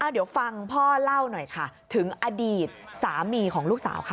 เดี๋ยวฟังพ่อเล่าหน่อยค่ะถึงอดีตสามีของลูกสาวค่ะ